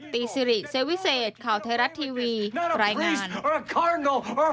ตีซิริเซวิเซตข่าวเทราะทีวีรายงาน